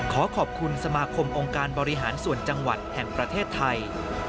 ขอขอบคุณสมาคมองค์การบริหารส่วนจังหวัดแห่งประเทศไทย